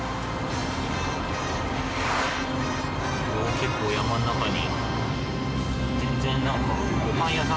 結構山ん中に。